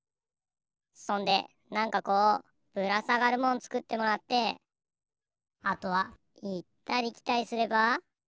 そんでなんかこうぶらさがるもんつくってもらってあとはいったりきたりすれば。